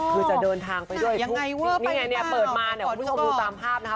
คือจะเดินทางไปด้วยทุกสิ่งนี่ไงเนี่ยเปิดมาเนี่ยคุณผู้ชมดูตามภาพนะคะ